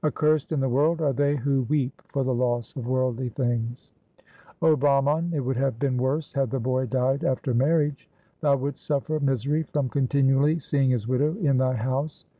1 Accursed in the world are they who weep for the loss of worldly things. 2 'O Brahman, it would have been worse had the boy died after marriage. Thou wouldst suffer misery from continually seeing his widow in thy house.